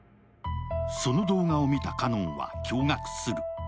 その動画を見た奏音は驚愕する。